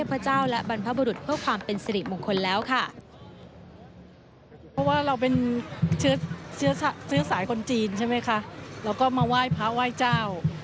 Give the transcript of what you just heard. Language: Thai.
เราก็มาไหว้พระไหว้เจ้า